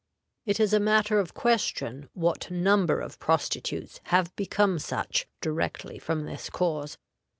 It is matter of question what number of prostitutes have become such directly from this cause.